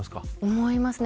思いますね。